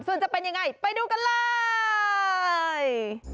ส่วนจะเป็นยังไงไปดูกันเลย